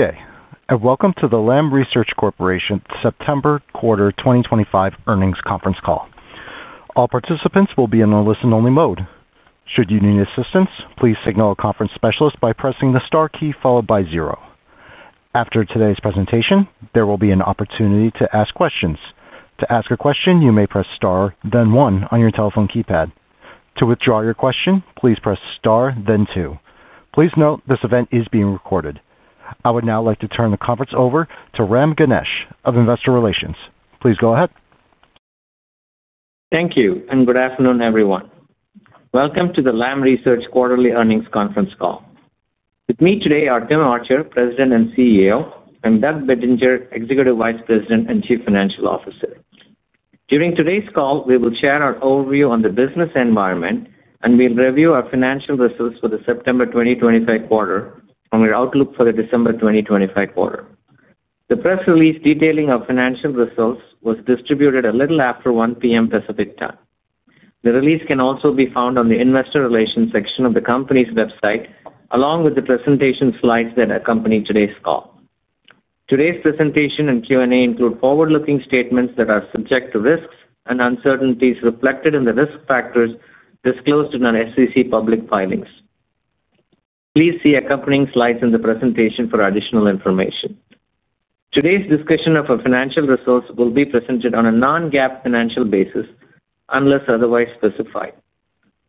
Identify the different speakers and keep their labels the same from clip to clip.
Speaker 1: Okay. Welcome to the Lam Research Corporation's September quarter 2025 earnings conference call. All participants will be in a listen-only mode. Should you need assistance, please signal a conference specialist by pressing the star key followed by zero. After today's presentation, there will be an opportunity to ask questions. To ask a question, you may press star, then one on your telephone keypad. To withdraw your question, please press star, then two. Please note this event is being recorded. I would now like to turn the conference over to Ram Ganesh of Investor Relations. Please go ahead.
Speaker 2: Thank you, and good afternoon, everyone. Welcome to the Lam Research quarterly earnings conference call. With me today are Tim Archer, President and CEO, and Doug Bettinger, Executive Vice President and Chief Financial Officer. During today's call, we will share our overview on the business environment, and we'll review our financial results for the September 2025 quarter and our outlook for the December 2025 quarter. The press release detailing our financial results was distributed a little after 1:00 P.M. Pacific time. The release can also be found on the Investor Relations section of the company's website, along with the presentation slides that accompany today's call. Today's presentation and Q&A include forward-looking statements that are subject to risks and uncertainties reflected in the risk factors disclosed in our SEC public filings. Please see accompanying slides in the presentation for additional information. Today's discussion of our financial results will be presented on a non-GAAP financial basis unless otherwise specified.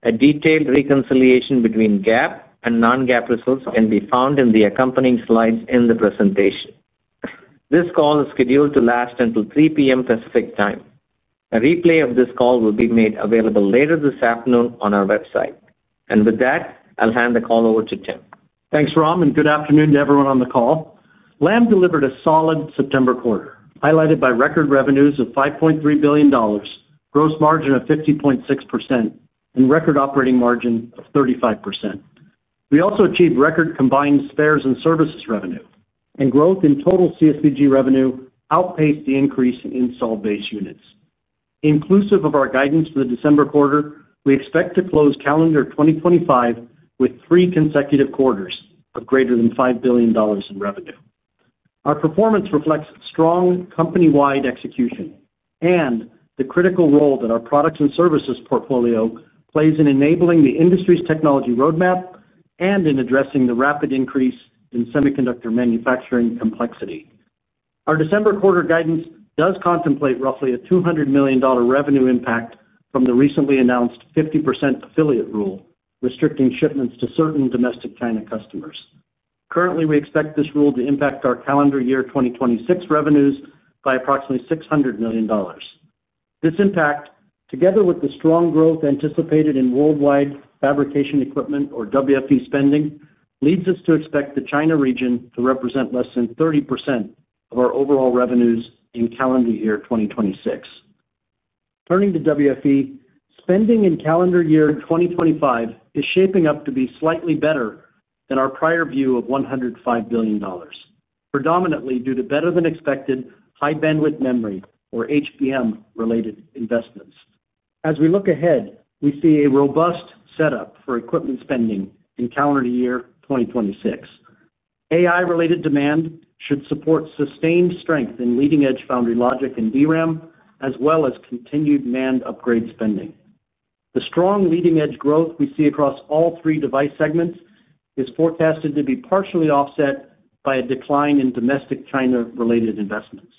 Speaker 2: A detailed reconciliation between GAAP and non-GAAP results can be found in the accompanying slides in the presentation. This call is scheduled to last until 3:00 P.M. Pacific time. A replay of this call will be made available later this afternoon on our website. With that, I'll hand the call over to Tim.
Speaker 3: Thanks, Ram, and good afternoon to everyone on the call. Lam delivered a solid September quarter, highlighted by record revenues of $5.3 billion, gross margin of 50.6%, and record operating margin of 35%. We also achieved record combined spares and services revenue, and growth in total CSPG revenue outpaced the increase in installed base units. Inclusive of our guidance for the December quarter, we expect to close calendar 2025 with three consecutive quarters of greater than $5 billion in revenue. Our performance reflects strong company-wide execution and the critical role that our products and services portfolio plays in enabling the industry's technology roadmap and in addressing the rapid increase in semiconductor manufacturing complexity. Our December quarter guidance does contemplate roughly a $200 million revenue impact from the recently announced 50% affiliate rule, restricting shipments to certain domestic China customers. Currently, we expect this rule to impact our calendar year 2026 revenues by approximately $600 million. This impact, together with the strong growth anticipated in worldwide wafer fabrication equipment or WFE spending, leads us to expect the China region to represent less than 30% of our overall revenues in calendar year 2026. Turning to WFE, spending in calendar year 2025 is shaping up to be slightly better than our prior view of $105 billion, predominantly due to better than expected high-bandwidth memory or HBM-related investments. As we look ahead, we see a robust setup for equipment spending in calendar year 2026. AI-related demand should support sustained strength in leading-edge foundry logic and DRAM, as well as continued manned upgrade spending. The strong leading-edge growth we see across all three device segments is forecasted to be partially offset by a decline in domestic China-related investments.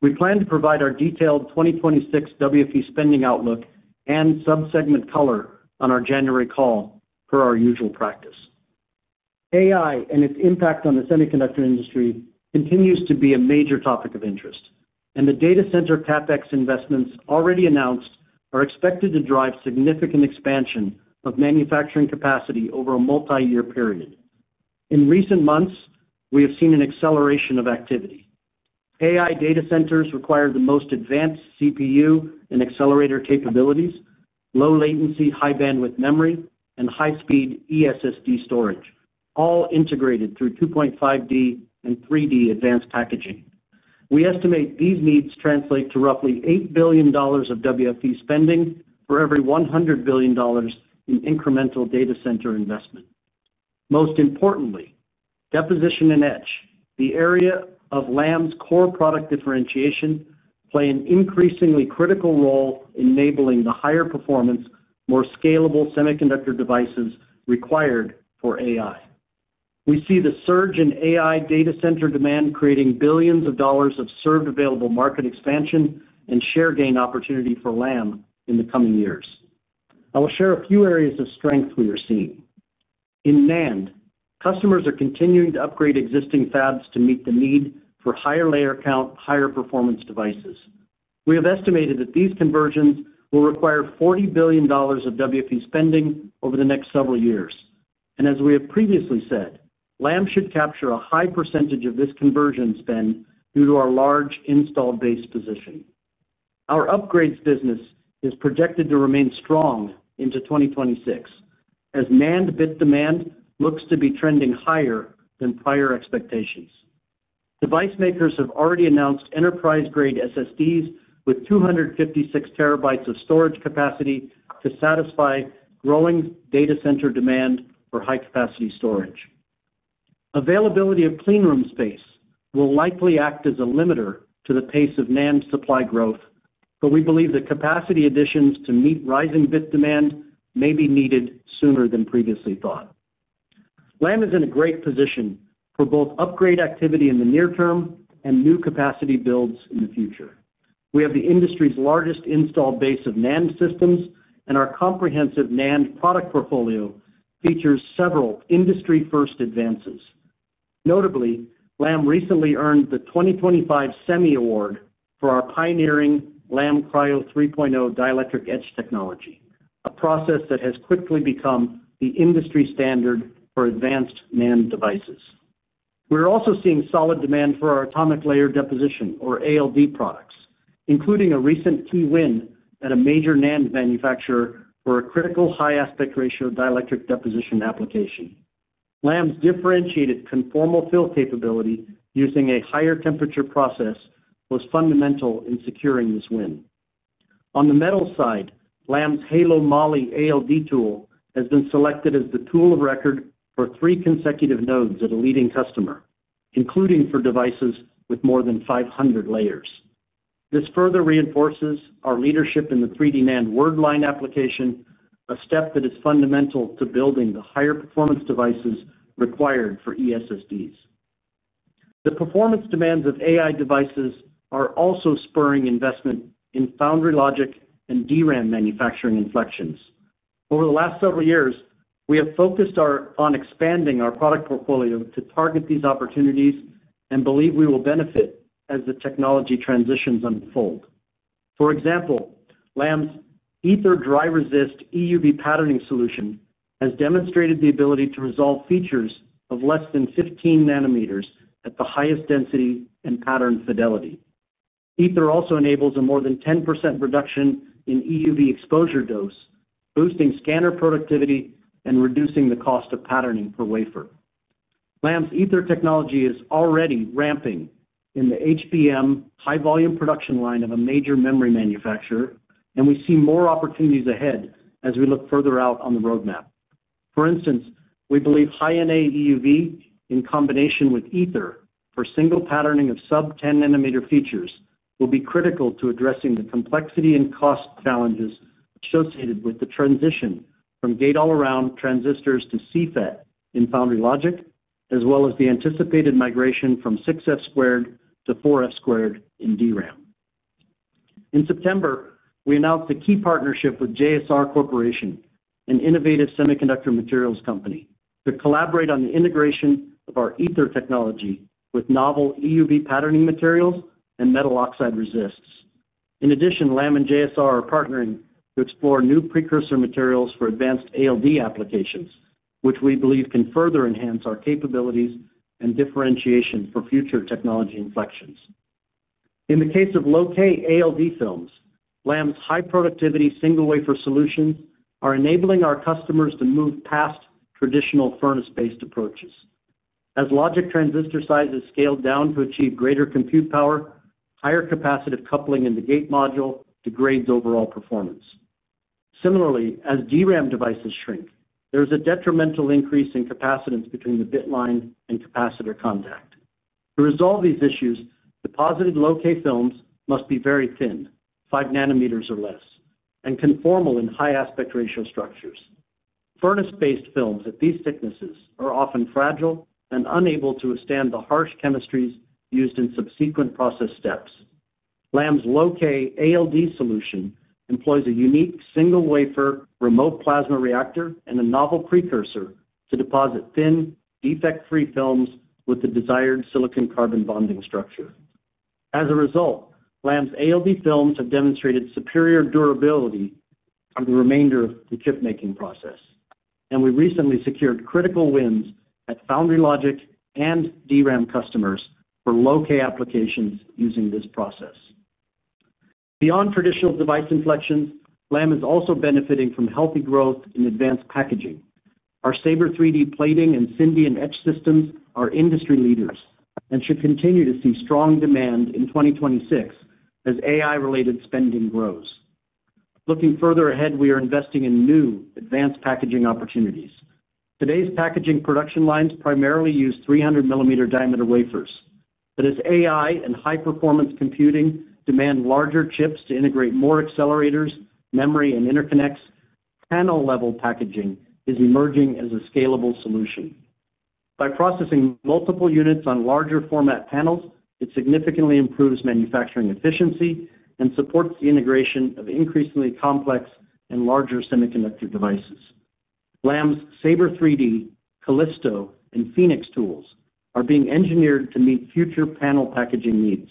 Speaker 3: We plan to provide our detailed 2026 WFE spending outlook and subsegment color on our January call, per our usual practice. AI and its impact on the semiconductor industry continues to be a major topic of interest, and the data center CapEx investments already announced are expected to drive significant expansion of manufacturing capacity over a multi-year period. In recent months, we have seen an acceleration of activity. AI data centers require the most advanced CPU and accelerator capabilities, low latency, high-bandwidth memory, and high-speed eSSD storage, all integrated through 2.5D and 3D advanced packaging. We estimate these needs translate to roughly $8 billion of WFE spending for every $100 billion in incremental data center investment. Most importantly, deposition and etch, the area of Lam's core product differentiation, play an increasingly critical role in enabling the higher performance, more scalable semiconductor devices required for AI. We see the surge in AI data center demand creating billions of dollars of served available market expansion and share gain opportunity for Lam in the coming years. I will share a few areas of strength we are seeing. In NAND, customers are continuing to upgrade existing fabs to meet the need for higher layer count, higher performance devices. We have estimated that these conversions will require $40 billion of WFE spending over the next several years. As we have previously said, Lam should capture a high percentage of this conversion spend due to our large installed base position. Our upgrades business is projected to remain strong into 2026, as NAND bit demand looks to be trending higher than prior expectations. Device makers have already announced enterprise-grade SSDs with 256 TB of storage capacity to satisfy growing data center demand for high-capacity storage. Availability of clean room space will likely act as a limiter to the pace of NAND supply growth, but we believe that capacity additions to meet rising bit demand may be needed sooner than previously thought. Lam is in a great position for both upgrade activity in the near term and new capacity builds in the future. We have the industry's largest installed base of NAND systems, and our comprehensive NAND product portfolio features several industry-first advances. Notably, Lam recently earned the 2025 SEMI Award for our pioneering Lam Cryo 3.0 dielectric etch technology, a process that has quickly become the industry standard for advanced NAND devices. We are also seeing solid demand for our atomic layer deposition or ALD products, including a recent key win at a major NAND manufacturer for a critical high aspect ratio dielectric deposition application. Lam's differentiated conformal fill capability using a higher temperature process was fundamental in securing this win. On the metal side, Lam's Halo MOLE ALD tool has been selected as the tool of record for three consecutive nodes at a leading customer, including for devices with more than 500 layers. This further reinforces our leadership in the 3D NAND word line application, a step that is fundamental to building the higher performance devices required for eSSDs. The performance demands of AI devices are also spurring investment in foundry logic and DRAM manufacturing inflections. Over the last several years, we have focused on expanding our product portfolio to target these opportunities and believe we will benefit as the technology transitions unfold. For example, Lam's Ether dry-resist EUV patterning solution has demonstrated the ability to resolve features of less than 15 nm at the highest density and pattern fidelity. Ether also enables a more than 10% reduction in EUV exposure dose, boosting scanner productivity and reducing the cost of patterning per wafer. Lam's Ether technology is already ramping in the HBM high-volume production line of a major memory manufacturer, and we see more opportunities ahead as we look further out on the roadmap. For instance, we believe high NA EUV in combination with Ether for single patterning of sub-10 nanometer features will be critical to addressing the complexity and cost challenges associated with the transition from gate all-around transistors to CFET in foundry logic, as well as the anticipated migration from 6F² to 4F² in DRAM. In September, we announced a key partnership with JSR Corporation, an innovative semiconductor materials company, to collaborate on the integration of our Ether technology with novel EUV patterning materials and metal oxide resists. In addition, Lam and JSR are partnering to explore new precursor materials for advanced ALD applications, which we believe can further enhance our capabilities and differentiation for future technology inflections. In the case of low-K ALD films, Lam's high-productivity single wafer solutions are enabling our customers to move past traditional furnace-based approaches. As logic transistor sizes scale down to achieve greater compute power, higher capacitive coupling in the gate module degrades overall performance. Similarly, as DRAM devices shrink, there is a detrimental increase in capacitance between the bit line and capacitor contact. To resolve these issues, deposited low-K films must be very thin, 5 nm or less, and conformal in high aspect ratio structures. Furnace-based films at these thicknesses are often fragile and unable to withstand the harsh chemistries used in subsequent process steps. Lam's low-K ALD solution employs a unique single wafer remote plasma reactor and a novel precursor to deposit thin, defect-free films with the desired silicon carbon bonding structure. As a result, Lam's ALD films have demonstrated superior durability on the remainder of the chip-making process, and we recently secured critical wins at foundry, logic, and DRAM customers for low-K applications using this process. Beyond traditional device inflections, Lam is also benefiting from healthy growth in advanced packaging. Our SABRE 3D plating and Syndion etch systems are industry leaders and should continue to see strong demand in 2026 as AI-related spending grows. Looking further ahead, we are investing in new advanced packaging opportunities. Today's packaging production lines primarily use 300 mm diameter wafers, but as AI and high-performance computing demand larger chips to integrate more accelerators, memory, and interconnects, panel-level packaging is emerging as a scalable solution. By processing multiple units on larger format panels, it significantly improves manufacturing efficiency and supports the integration of increasingly complex and larger semiconductor devices. Lam's SABRE 3D, Kallisto, and Phoenix tools are being engineered to meet future panel packaging needs.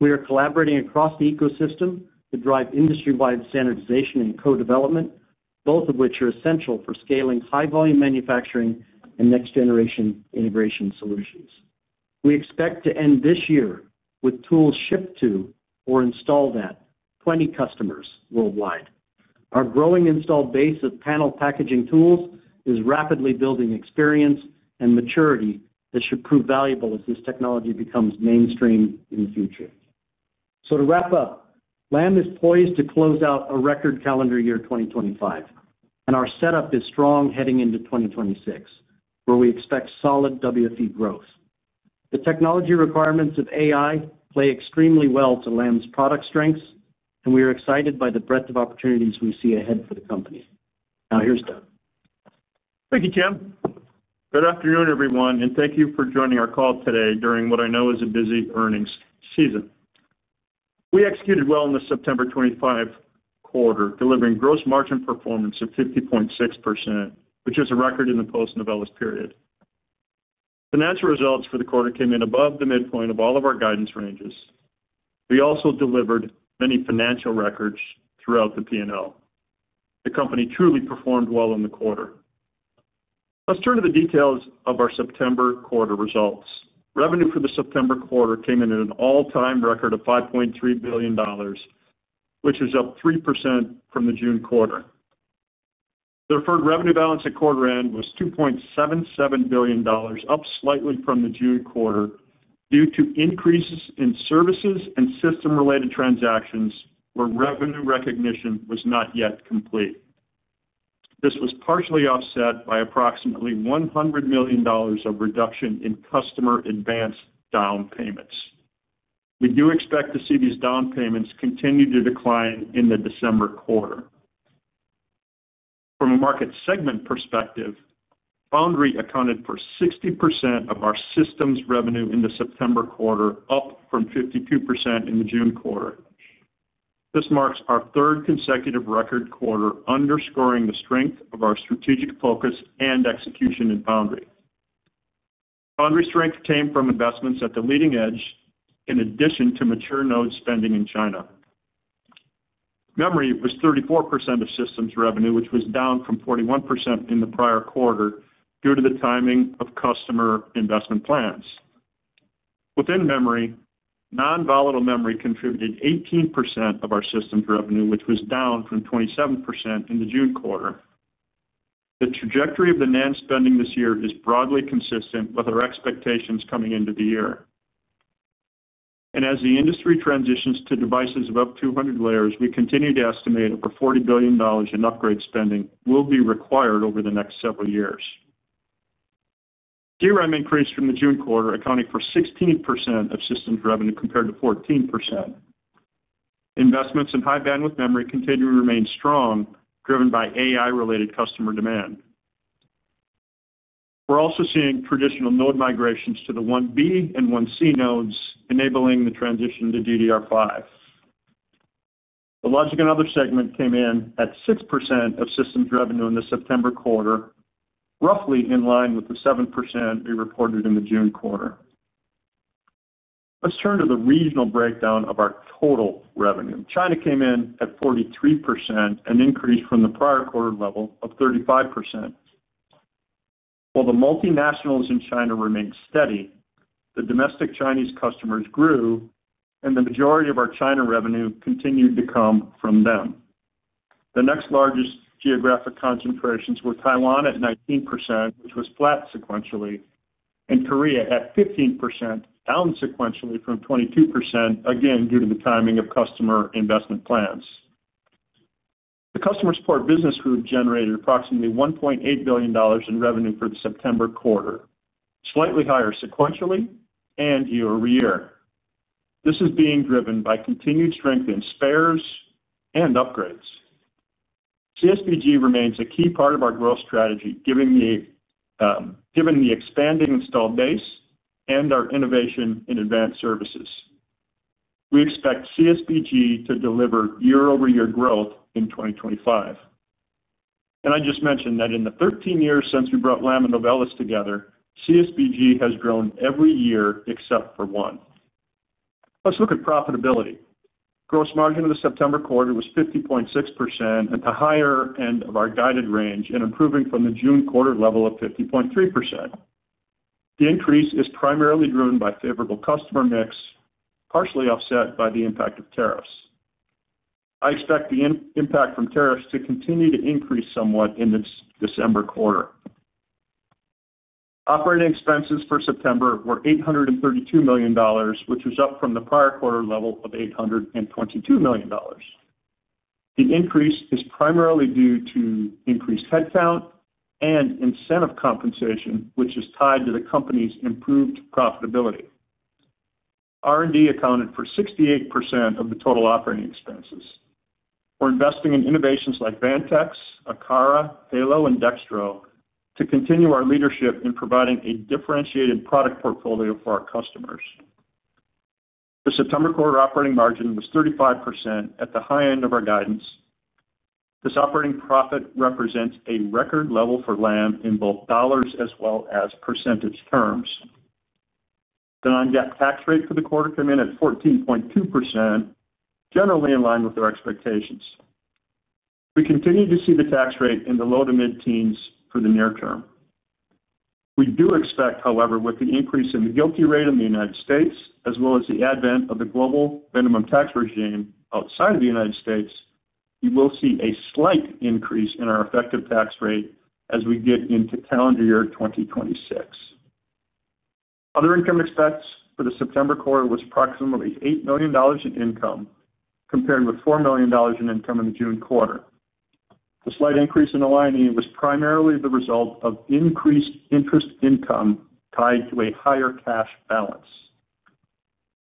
Speaker 3: We are collaborating across the ecosystem to drive industry-wide standardization and co-development, both of which are essential for scaling high-volume manufacturing and next-generation integration solutions. We expect to end this year with tools shipped to or installed at 20 customers worldwide. Our growing installed base of panel packaging tools is rapidly building experience and maturity that should prove valuable as this technology becomes mainstream in the future. To wrap up, Lam is poised to close out a record calendar year 2025, and our setup is strong heading into 2026, where we expect solid WFE growth. The technology requirements of AI play extremely well to Lam's product strengths, and we are excited by the breadth of opportunities we see ahead for the company. Now, here's Doug.
Speaker 4: Thank you, Tim. Good afternoon, everyone, and thank you for joining our call today during what I know is a busy earnings season. We executed well in the September 2025 quarter, delivering gross margin performance of 50.6%, which is a record in the post-Novellus period. Financial results for the quarter came in above the midpoint of all of our guidance ranges. We also delivered many financial records throughout the P&L. The company truly performed well in the quarter. Let's turn to the details of our September quarter results. Revenue for the September quarter came in at an all-time record of $5.3 billion, which was up 3% from the June quarter. The deferred revenue balance at quarter end was $2.77 billion, up slightly from the June quarter due to increases in services and system-related transactions where revenue recognition was not yet complete. This was partially offset by approximately $100 million of reduction in customer advanced down payments. We do expect to see these down payments continue to decline in the December quarter. From a market segment perspective, foundry accounted for 60% of our systems revenue in the September quarter, up from 52% in the June quarter. This marks our third consecutive record quarter, underscoring the strength of our strategic focus and execution in foundry. Foundry strength came from investments at the leading edge, in addition to mature node spending in China. Memory was 34% of systems revenue, which was down from 41% in the prior quarter due to the timing of customer investment plans. Within memory, non-volatile memory contributed 18% of our systems revenue, which was down from 27% in the June quarter. The trajectory of the NAND spending this year is broadly consistent with our expectations coming into the year. As the industry transitions to devices of up to 100 layers, we continue to estimate over $40 billion in upgrade spending will be required over the next several years. DRAM increased from the June quarter, accounting for 16% of systems revenue compared to 14%. Investments in high-bandwidth memory continue to remain strong, driven by AI-related customer demand. We're also seeing traditional node migrations to the 1B and 1C nodes, enabling the transition to DDR5. The logic and other segment came in at 6% of systems revenue in the September quarter, roughly in line with the 7% we reported in the June quarter. Let's turn to the regional breakdown of our total revenue. China came in at 43%, an increase from the prior quarter level of 35%. While the multinationals in China remained steady, the domestic Chinese customers grew, and the majority of our China revenue continued to come from them. The next largest geographic concentrations were Taiwan at 19%, which was flat sequentially, and Korea at 15%, down sequentially from 22%, again due to the timing of customer investment plans. The Customer Support Business Group generated approximately $1.8 billion in revenue for the September quarter, slightly higher sequentially and year-over-year. This is being driven by continued strength in spares and upgrades. CSPG remains a key part of our growth strategy, given the expanding installed base and our innovation in advanced services. We expect CSPG to deliver year-over-year growth in 2025. In the 13 years since we brought Lam and Novellus together, CSPG has grown every year except for one. Let's look at profitability. Gross margin of the September quarter was 50.6% at the higher end of our guided range and improving from the June quarter level of 50.3%. The increase is primarily driven by favorable customer mix, partially offset by the impact of tariffs. I expect the impact from tariffs to continue to increase somewhat in the December quarter. Operating expenses for September were $832 million, which was up from the prior quarter level of $822 million. The increase is primarily due to increased headcount and incentive compensation, which is tied to the company's improved profitability. R&D accounted for 68% of the total operating expenses. We're investing in innovations like Vantex, Akara, Halo, and Dextro to continue our leadership in providing a differentiated product portfolio for our customers. The September quarter operating margin was 35% at the high end of our guidance. This operating profit represents a record level for Lam in both dollars as well as percentage terms. The non-GAAP tax rate for the quarter came in at 14.2%, generally in line with our expectations. We continue to see the tax rate in the low to mid-teens for the near term. We do expect, however, with the increase in the GILTI rate in the U.S., as well as the advent of the global minimum tax regime outside of the U.S., we will see a slight increase in our effective tax rate as we get into calendar year 2026. Other income expense for the September quarter was approximately $8 million in income, compared with $4 million in income in the June quarter. The slight increase in the line E was primarily the result of increased interest income tied to a higher cash balance.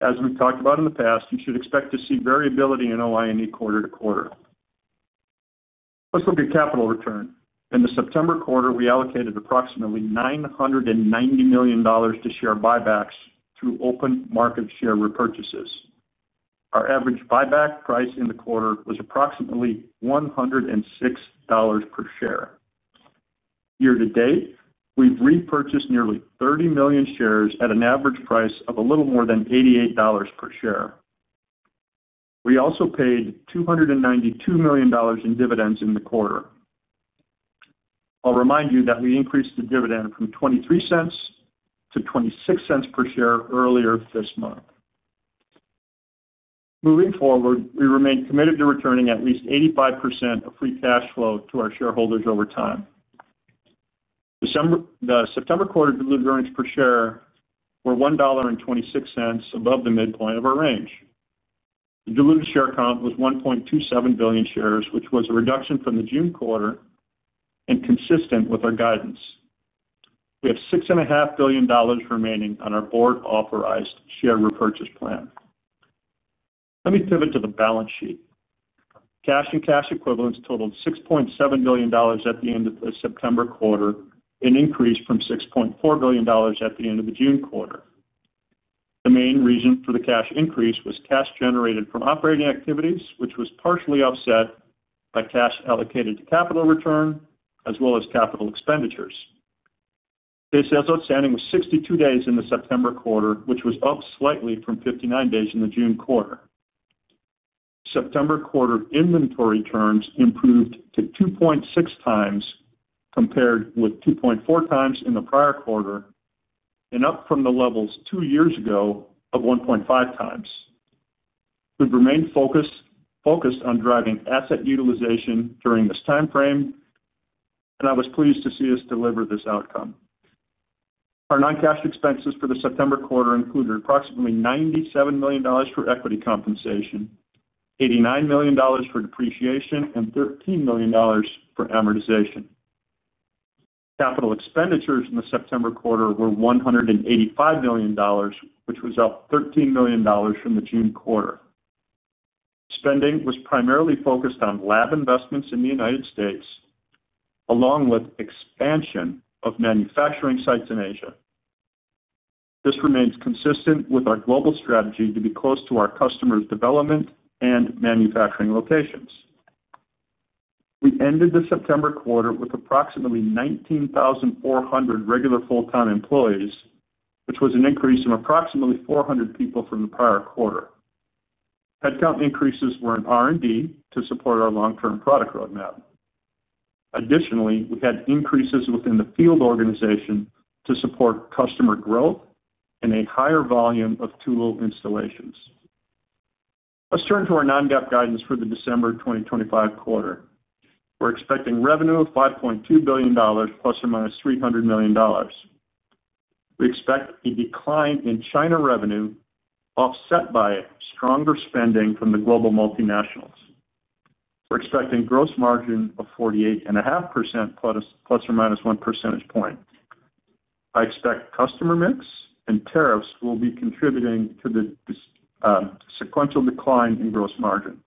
Speaker 4: As we've talked about in the past, you should expect to see variability in the line E quarter-to-quarter. Let's look at capital return. In the September quarter, we allocated approximately $990 million to share buybacks through open market share repurchases. Our average buyback price in the quarter was approximately $106/share. Year to date, we've repurchased nearly 30 million shares at an average price of a little more than $88 per share. We also paid $292 million in dividends in the quarter. I'll remind you that we increased the dividend from $0.23-$0.26/share earlier this month. Moving forward, we remain committed to returning at least 85% of free cash flow to our shareholders over time. The September quarter diluted earnings per share were $1.26 above the midpoint of our range. The diluted share count was 1.27 billion shares, which was a reduction from the June quarter and consistent with our guidance. We have $6.5 billion remaining on our board-authorized share repurchase plan. Let me pivot to the balance sheet. Cash and cash equivalents totaled $6.7 billion at the end of the September quarter, an increase from $6.4 billion at the end of the June quarter. The main reason for the cash increase was cash generated from operating activities, which was partially offset by cash allocated to capital return, as well as capital expenditures. Day sales outstanding was 62 days in the September quarter, which was up slightly from 59 days in the June quarter. September quarter inventory turns improved to 2.6x compared with 2.4x in the prior quarter and up from the levels two years ago of 1.5x. We've remained focused on driving asset utilization during this timeframe, and I was pleased to see us deliver this outcome. Our non-cash expenses for the September quarter included approximately $97 million for equity compensation, $89 million for depreciation, and $13 million for amortization. Capital expenditures in the September quarter were $185 million, which was up $13 million from the June quarter. Spending was primarily focused on lab investments in the United States, along with expansion of manufacturing sites in Asia. This remains consistent with our global strategy to be close to our customers' development and manufacturing locations. We ended the September quarter with approximately 19,400 regular full-time employees, which was an increase of approximately 400 people from the prior quarter. Headcount increases were in R&D to support our long-term product roadmap. Additionally, we had increases within the field organization to support customer growth and a higher volume of tool installations. Let's turn to our non-GAAP guidance for the December 2025 quarter. We're expecting revenue of $5.2 billion, ±$300 million. We expect a decline in China revenue offset by stronger spending from the global multinationals. We're expecting a gross margin of 48.5%, ±1%. I expect customer mix and tariffs will be contributing to the sequential decline in gross margin.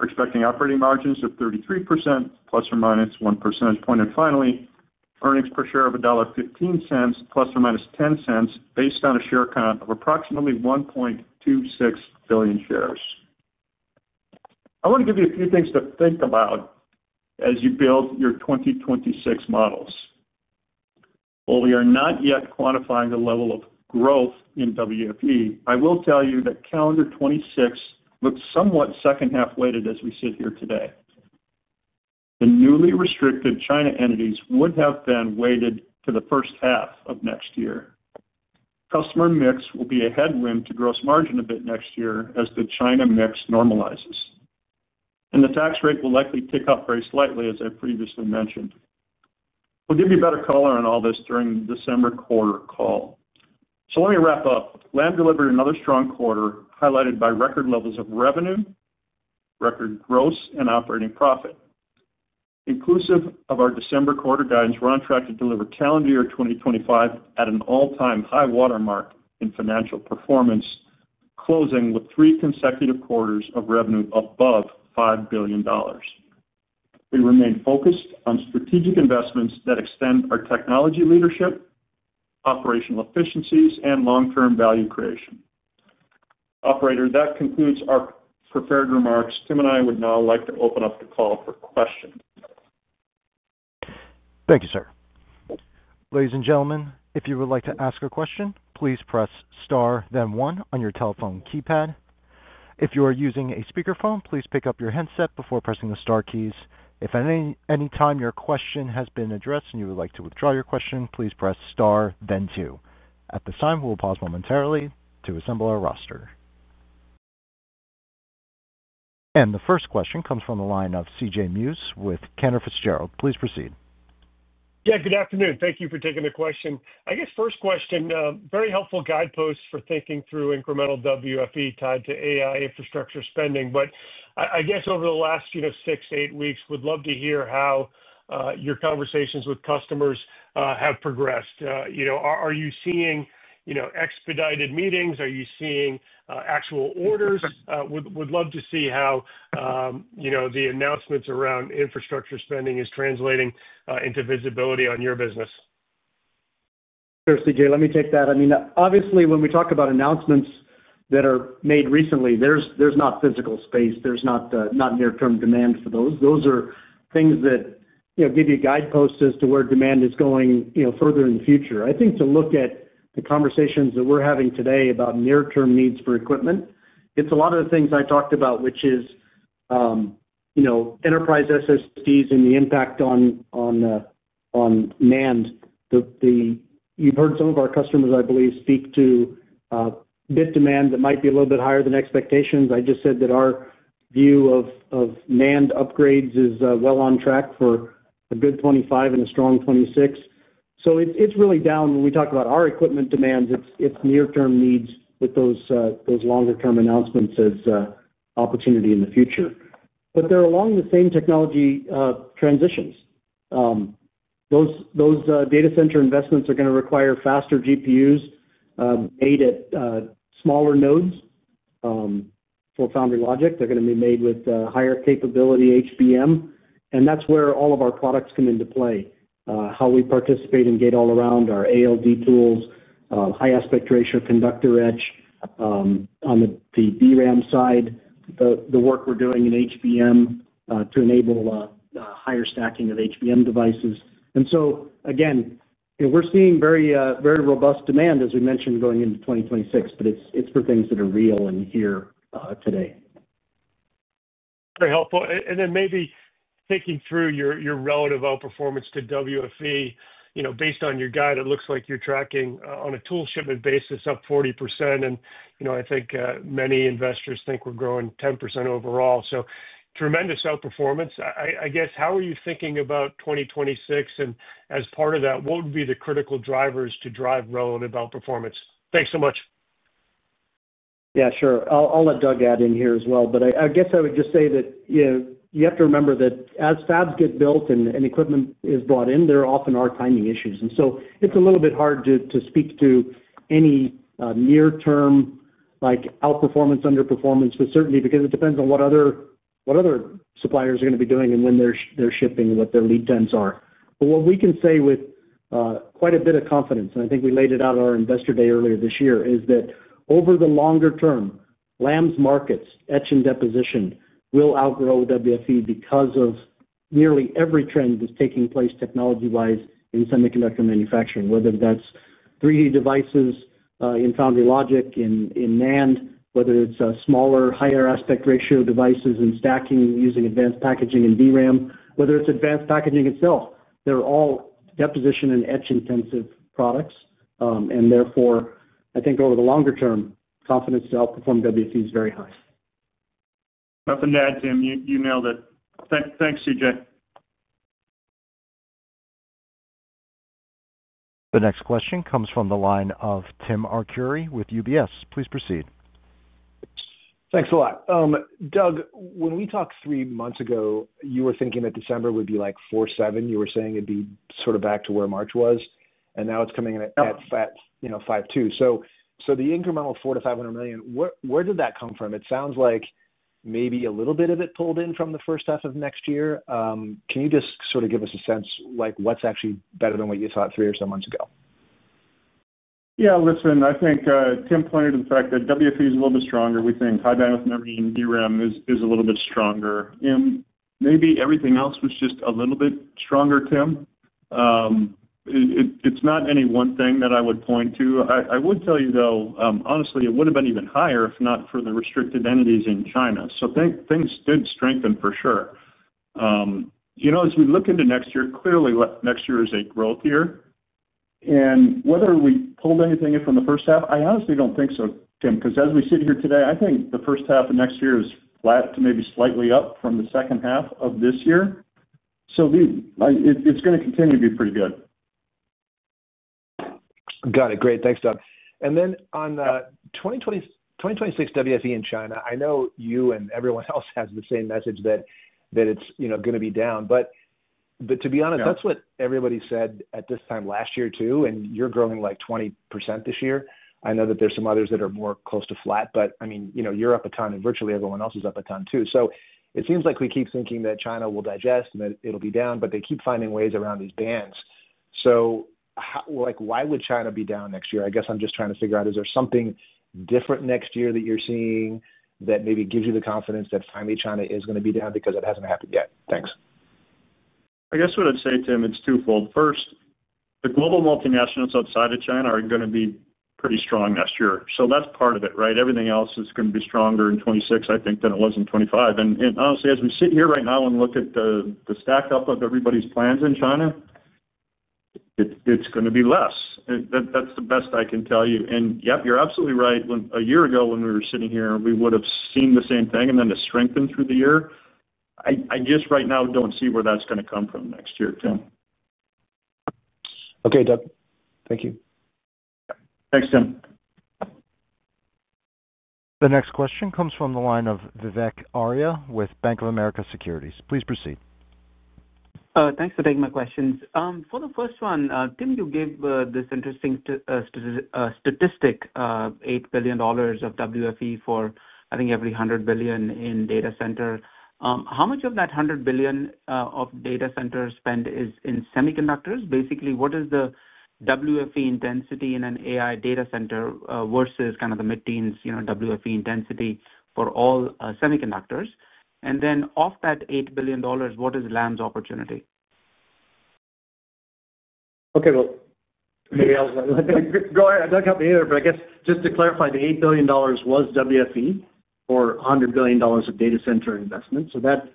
Speaker 4: We're expecting operating margins of 33%, ±1%. Finally, earnings per share of $1.15, ±$0.10, based on a share count of approximately 1.26 billion shares. I want to give you a few things to think about as you build your 2026 models. While we are not yet quantifying the level of growth in WFE, I will tell you that calendar 2026 looks somewhat second-half weighted as we sit here today. The newly restricted China entities would have been weighted for the first half of next year. Customer mix will be a headwind to gross margin a bit next year as the China mix normalizes. The tax rate will likely tick up very slightly, as I previously mentioned. We'll give you better color on all this during the December quarter call. Let me wrap up. Lam Research delivered another strong quarter highlighted by record levels of revenue, record gross, and operating profit. Inclusive of our December quarter guidance, we're on track to deliver calendar year 2025 at an all-time high watermark in financial performance, closing with three consecutive quarters of revenue above $5 billion. We remain focused on strategic investments that extend our technology leadership, operational efficiencies, and long-term value creation. Operator, that concludes our prepared remarks. Tim and I would now like to open up the call for questions.
Speaker 1: Thank you, sir. Ladies and gentlemen, if you would like to ask a question, please press star, then one on your telephone keypad. If you are using a speakerphone, please pick up your headset before pressing the star keys. If at any time your question has been addressed and you would like to withdraw your question, please press star, then two. At this time, we will pause momentarily to assemble our roster. The first question comes from the line of CJ Muse with Cantor Fitzgerald. Please proceed.
Speaker 5: Good afternoon. Thank you for taking the question. First question, very helpful guideposts for thinking through incremental WFE tied to AI infrastructure spending. Over the last six, eight weeks, we'd love to hear how your conversations with customers have progressed. Are you seeing expedited meetings? Are you seeing actual orders? We'd love to see how the announcements around infrastructure spending are translating into visibility on your business.
Speaker 3: Sure, C.J., let me take that. Obviously, when we talk about announcements that are made recently, there's not physical space. There's not near-term demand for those. Those are things that give you guideposts as to where demand is going further in the future. I think to look at the conversations that we're having today about near-term needs for equipment, it's a lot of the things I talked about, which is enterprise SSDs and the impact on NAND. You've heard some of our customers, I believe, speak to bit demand that might be a little bit higher than expectations. I just said that our view of NAND upgrades is well on track for a good 2025 and a strong 2026. It's really down when we talk about our equipment demands. It's near-term needs with those longer-term announcements as opportunity in the future. They're along the same technology transitions. Those data center investments are going to require faster GPUs made at smaller nodes for foundry logic. They're going to be made with higher capability HBM. That's where all of our products come into play. How we participate in gate all around our ALD tools, high aspect ratio conductor etch, on the DRAM side, the work we're doing in HBM to enable higher stacking of HBM devices. Again, we're seeing very, very robust demand, as we mentioned, going into 2026. It's for things that are real and here today.
Speaker 5: Very helpful. Maybe thinking through your relative outperformance to WFE, based on your guide, it looks like you're tracking on a tool shipment basis up 40%. I think many investors think we're growing 10% overall. Tremendous outperformance. I guess, how are you thinking about 2026? As part of that, what would be the critical drivers to drive relative outperformance? Thanks so much.
Speaker 3: Yeah, sure. I'll let Doug add in here as well. I guess I would just say that you know, you have to remember that as fabs get built and equipment is brought in, there often are timing issues. It's a little bit hard to speak to any near-term like outperformance, underperformance with certainty because it depends on what other suppliers are going to be doing and when they're shipping and what their lead times are. What we can say with quite a bit of confidence, and I think we laid it out at our investor day earlier this year, is that over the longer term, Lam's markets, etch and deposition, will outgrow WFE because of nearly every trend that's taking place technology-wise in semiconductor manufacturing, whether that's 3D devices in foundry logic, in NAND, whether it's smaller, higher aspect ratio devices and stacking using advanced packaging in DRAM, whether it's advanced packaging itself. They're all deposition and etch intensive products. Therefore, I think over the longer term, confidence to outperform WFE is very high.
Speaker 4: Nothing to add, Tim. You nailed it. Thanks, CJ.
Speaker 1: The next question comes from the line of Tim Arcuri with UBS. Please proceed.
Speaker 6: Thanks a lot. Doug, when we talked three months ago, you were thinking that December would be like $4.7 million. You were saying it'd be sort of back to where March was, and now it's coming in at $5.2 million. The incremental $400 million-$500 million, where did that come from? It sounds like maybe a little bit of it pulled in from the first half of next year. Can you just sort of give us a sense what's actually better than what you thought three or so months ago?
Speaker 4: Yeah, listen, I think Tim pointed in the fact that WFE is a little bit stronger. We think high-bandwidth memory in DRAM is a little bit stronger. Maybe everything else was just a little bit stronger, Tim. It's not any one thing that I would point to. I would tell you, though, honestly, it would have been even higher if not for the restricted entities in China. Things did strengthen for sure. As we look into next year, clearly next year is a growth year. Whether we pulled anything in from the first half, I honestly don't think so, Tim, because as we sit here today, I think the first half of next year is flat to maybe slightly up from the second half of this year. It's going to continue to be pretty good.
Speaker 6: Got it. Great. Thanks, Doug. On the 2026 WFE in China, I know you and everyone else has the same message that it's going to be down. To be honest, that's what everybody said at this time last year too, and you're growing like 20% this year. I know that there's some others that are more close to flat. I mean, you're up a ton and virtually everyone else is up a ton too. It seems like we keep thinking that China will digest and that it'll be down, but they keep finding ways around these bans. Why would China be down next year? I guess I'm just trying to figure out, is there something different next year that you're seeing that maybe gives you the confidence that finally China is going to be down because it hasn't happened yet? Thanks.
Speaker 4: I guess what I'd say, Tim, it's twofold. First, the global multinationals outside of China are going to be pretty strong next year. That's part of it, right? Everything else is going to be stronger in 2026, I think, than it was in 2025. Honestly, as we sit here right now and look at the stack up of everybody's plans in China, it's going to be less. That's the best I can tell you. Yep, you're absolutely right. A year ago, when we were sitting here, we would have seen the same thing and then it strengthened through the year. I just right now don't see where that's going to come from next year, Tim.
Speaker 6: Okay, Doug. Thank you.
Speaker 4: Thanks, Tim.
Speaker 1: The next question comes from the line of Vivek Arya with Bank of America Securities. Please proceed.
Speaker 7: Thanks for taking my questions. For the first one, Tim, you gave this interesting statistic, $8 billion of WFE for, I think, every $100 billion in data center. How much of that $100 billion of data center spend is in semiconductors? Basically, what is the WFE intensity in an AI data center versus kind of the mid-teens, you know, WFE intensity for all semiconductors? Off that $8 billion, what is Lam's opportunity?
Speaker 3: Okay, maybe I'll let Doug go ahead. Doug helped me either, but I guess just to clarify, the $8 billion was WFE for $100 billion of data center investment. That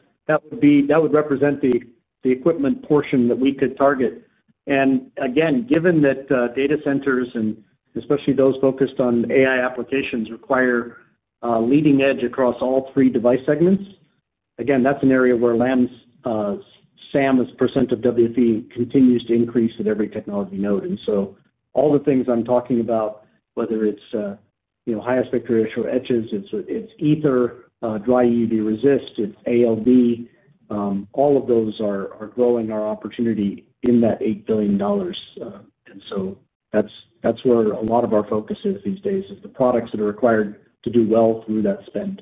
Speaker 3: would represent the equipment portion that we could target. Given that data centers, and especially those focused on AI applications, require a leading edge across all three device segments, that's an area where Lam's SAM, as percentage of WFE, continues to increase at every technology node. All the things I'm talking about, whether it's, you know, high aspect ratio etches, it's Aether dry-resist solution, dry EUV resist, it's ALD, all of those are growing our opportunity in that $8 billion. That's where a lot of our focus is these days, the products that are required to do well through that spend.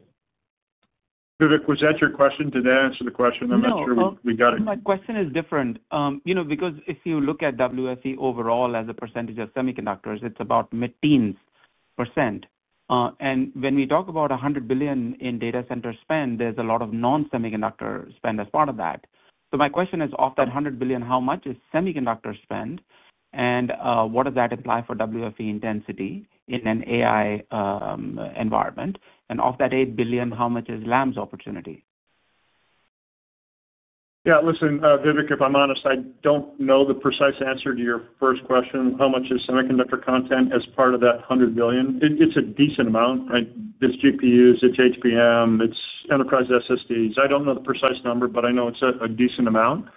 Speaker 4: Vivek, was that your question? Did that answer the question? I'm not sure we got it.
Speaker 7: My question is different. You know, because if you look at WFE overall as a percent of semiconductors, it's about mid-teens percent. When we talk about $100 billion in data center spend, there's a lot of non-semiconductor spend as part of that. My question is, off that $100 billion, how much is semiconductor spend? What does that imply for WFE intensity in an AI environment? Off that $8 billion, how much is Lam's opportunity?
Speaker 4: Yeah, listen, Vivek, if I'm honest, I don't know the precise answer to your first question. How much is semiconductor content as part of that $100 billion? It's a decent amount. I did GPUs, it's HBM, it's enterprise SSDs. I don't know the precise number, but I know it's a decent amount.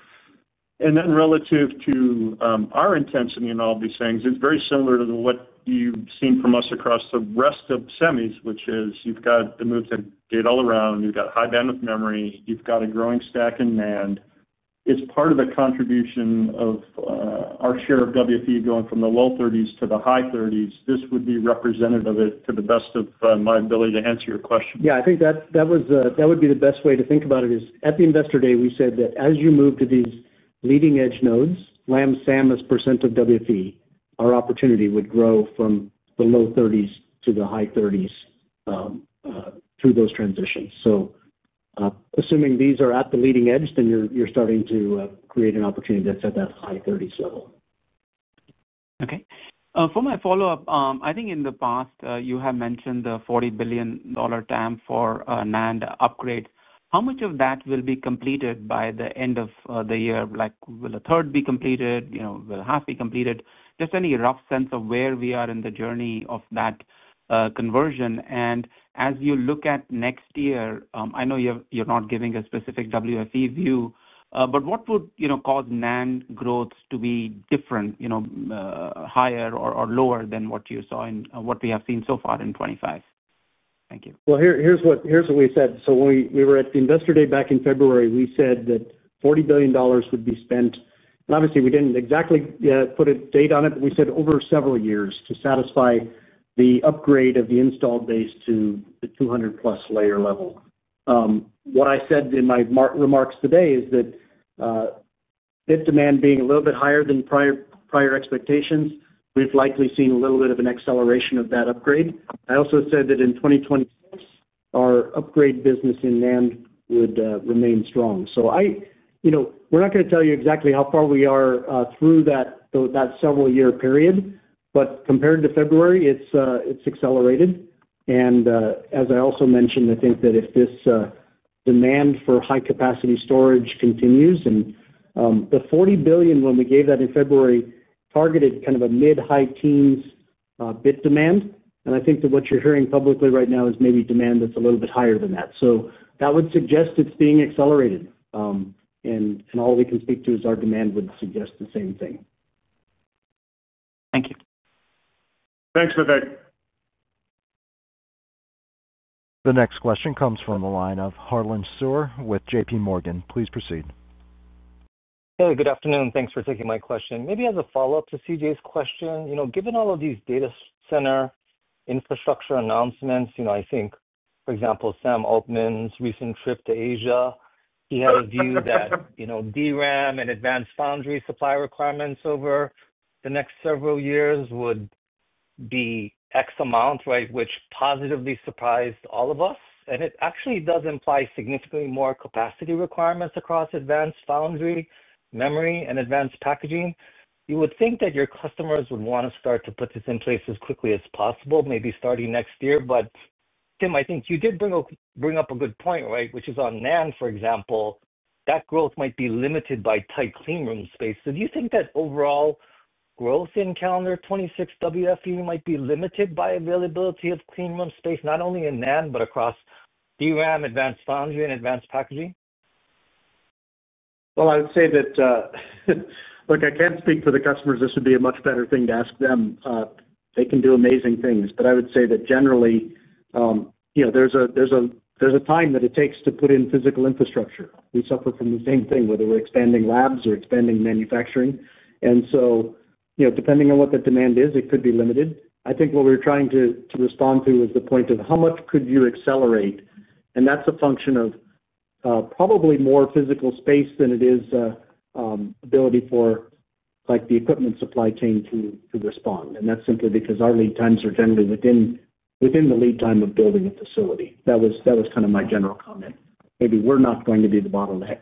Speaker 4: Relative to our intensity and all of these things, it's very similar to what you've seen from us across the rest of semis, which is you've got the move to gate all around, you've got high-bandwidth memory, you've got a growing stack in NAND. It's part of the contribution of our share of WFE going from the low 30% to the high 30%. This would be representative of it to the best of my ability to answer your question.
Speaker 3: I think that would be the best way to think about it is at the investor day, we said that as you move to these leading edge nodes, Lam's SAM as percent of WFE, our opportunity would grow from the low 30% to the high 30% through those transitions. Assuming these are at the leading edge, then you're starting to create an opportunity that's at that high 30% level.
Speaker 7: Okay. For my follow-up, I think in the past, you have mentioned the $40 billion TAM for NAND upgrades. How much of that will be completed by the end of the year? Like, will a third be completed? You know, will half be completed? Just any rough sense of where we are in the journey of that conversion. As you look at next year, I know you're not giving a specific WFE view, what would cause NAND growth to be different, you know, higher or lower than what you saw in what we have seen so far in 2025? Thank you.
Speaker 3: Here's what we said. When we were at the investor day back in February, we said that $40 billion would be spent. Obviously, we didn't exactly put a date on it, but we said over several years to satisfy the upgrade of the installed base to the 200+ layer level. What I said in my remarks today is that bit demand being a little bit higher than prior expectations, we've likely seen a little bit of an acceleration of that upgrade. I also said that in 2026, our upgrade business in NAND would remain strong. We're not going to tell you exactly how far we are through that several-year period, but compared to February, it's accelerated. As I also mentioned, I think that if this demand for high-capacity storage continues, and the $40 billion when we gave that in February targeted kind of a mid-high teens bit demand. I think that what you're hearing publicly right now is maybe demand that's a little bit higher than that. That would suggest it's being accelerated. All we can speak to is our demand would suggest the same thing.
Speaker 7: Thank you.
Speaker 4: Thanks, Vivek.
Speaker 1: The next question comes from the line of Harlan Sur with JPMorgan. Please proceed.
Speaker 8: Hey, good afternoon. Thanks for taking my question. Maybe as a follow-up to CJ's question, you know, given all of these data center infrastructure announcements, I think, for example, Sam Altman's recent trip to Asia, he had a view that, you know, DRAM and advanced foundry supply requirements over the next several years would be X amount, right, which positively surprised all of us. It actually does imply significantly more capacity requirements across advanced foundry, memory, and advanced packaging. You would think that your customers would want to start to put this in place as quickly as possible, maybe starting next year. Tim, I think you did bring up a good point, right, which is on NAND, for example, that growth might be limited by tight clean room space. Do you think that overall growth in calendar 2026 WFE might be limited by availability of clean room space, not only in NAND, but across DRAM, advanced foundry, and advanced packaging?
Speaker 3: I would say that, look, I can't speak for the customers. This would be a much better thing to ask them. They can do amazing things. I would say that generally, you know, there's a time that it takes to put in physical infrastructure. We suffer from the same thing, whether we're expanding labs or expanding manufacturing. Depending on what the demand is, it could be limited. I think what we're trying to respond to is the point of how much could you accelerate. That's a function of probably more physical space than it is ability for the equipment supply chain to respond. That's simply because our lead times are generally within the lead time of building a facility. That was kind of my general comment. Maybe we're not going to be the bottleneck.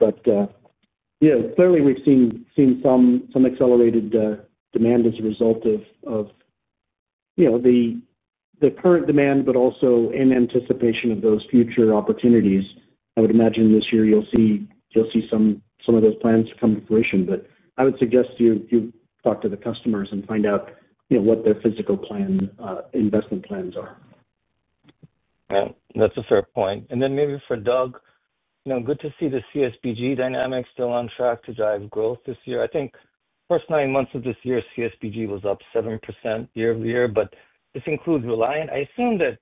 Speaker 3: Clearly, we've seen some accelerated demand as a result of the current demand, but also in anticipation of those future opportunities. I would imagine this year you'll see some of those plans come to fruition. I would suggest you talk to the customers and find out what their physical plan investment plans are.
Speaker 8: Yeah, that's a fair point. Maybe for Doug, good to see the CSPG dynamics still on track to drive growth this year. I think the first nine months of this year, CSPG was up 7% year-over-year, but this includes Reliant. I assume that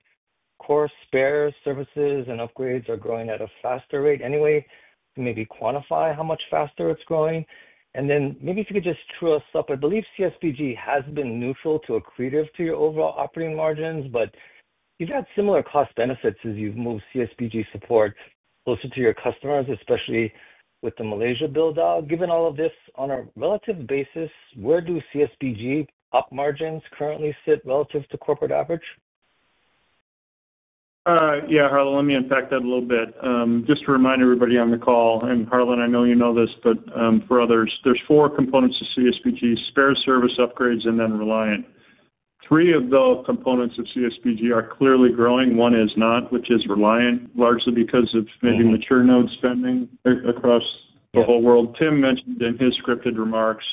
Speaker 8: core spare services and upgrades are growing at a faster rate anyway to maybe quantify how much faster it's growing. If you could just true us up, I believe CSPG has been neutral to accretive to your overall operating margins, but you've got similar cost benefits as you've moved CSPG support closer to your customers, especially with the Malaysia buildout. Given all of this, on a relative basis, where do CSPG top margins currently sit relative to corporate average?
Speaker 4: Yeah, Harlan, let me unpack that a little bit. Just to remind everybody on the call, and Harlan, I know you know this, but for others, there's four components to CSPG: spares, service, upgrades, and then Reliant. Three of the components of CSPG are clearly growing. One is not, which is Reliant, largely because of maybe mature node spending across the whole world. Tim mentioned in his scripted remarks,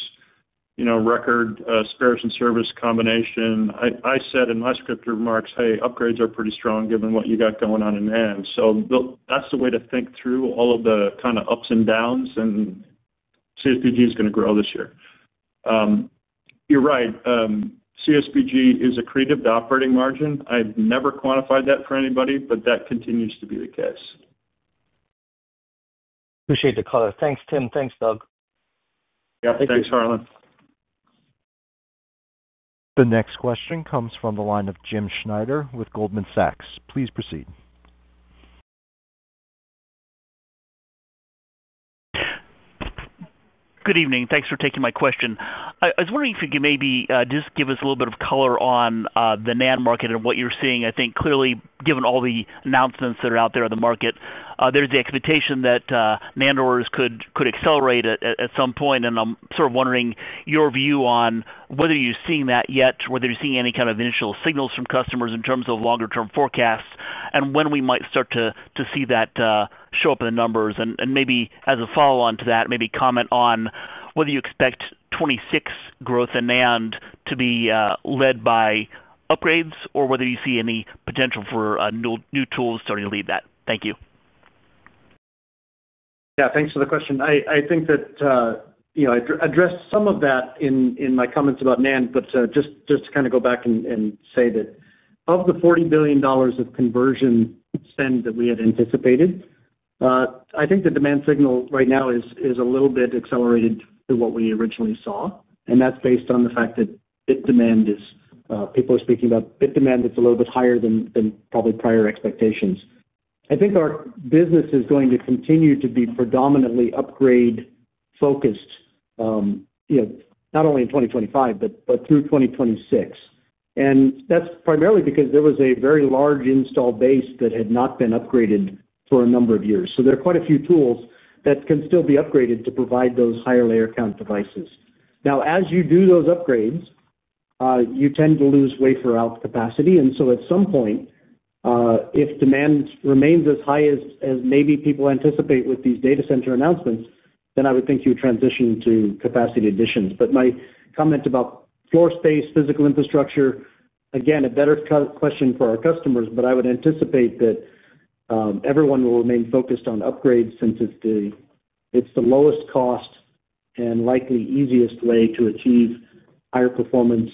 Speaker 4: you know, record spares and service combination. I said in my scripted remarks, hey, upgrades are pretty strong given what you got going on in NAND. That's the way to think through all of the kind of ups and downs, and CSPG is going to grow this year. You're right. CSPG is accretive to operating margin. I've never quantified that for anybody, but that continues to be the case.
Speaker 8: Appreciate the color. Thanks, Tim. Thanks, Doug.
Speaker 4: Yeah, thanks, Harlan.
Speaker 1: The next question comes from the line of Jim Schneider with Goldman Sachs. Please proceed.
Speaker 9: Good evening. Thanks for taking my question. I was wondering if you could maybe just give us a little bit of color on the NAND market and what you're seeing. I think clearly, given all the announcements that are out there in the market, there's the expectation that NAND orders could accelerate at some point. I'm sort of wondering your view on whether you're seeing that yet, whether you're seeing any kind of initial signals from customers in terms of longer-term forecasts and when we might start to see that show up in the numbers. Maybe as a follow-on to that, maybe comment on whether you expect 2026 growth in NAND to be led by upgrades or whether you see any potential for new tools starting to lead that. Thank you.
Speaker 3: Yeah, thanks for the question. I think that, you know, I addressed some of that in my comments about NAND, but just to kind of go back and say that of the $40 billion of conversion spend that we had anticipated, I think the demand signal right now is a little bit accelerated than what we originally saw. That's based on the fact that bit demand is, people are speaking about bit demand that's a little bit higher than probably prior expectations. I think our business is going to continue to be predominantly upgrade-focused, you know, not only in 2025, but through 2026. That's primarily because there was a very large install base that had not been upgraded for a number of years. There are quite a few tools that can still be upgraded to provide those higher layer count devices. Now, as you do those upgrades, you tend to lose wafer out capacity. At some point, if demand remains as high as maybe people anticipate with these data center announcements, then I would think you would transition to capacity additions. My comment about floor space, physical infrastructure, again, a better question for our customers, but I would anticipate that everyone will remain focused on upgrades since it's the lowest cost and likely easiest way to achieve higher performance